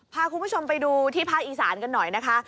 พาคุณผู้ชมไปดูที่ภาคอีสานกันหน่อยนะคะ